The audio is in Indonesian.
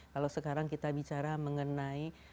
kalau sekarang kita bicara mengenai